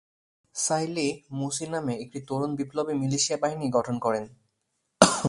সাইলিহ 'মুসি' নামে একটি তরুণ বিপ্লবী মিলিশিয়া বাহিনী গঠন করেন।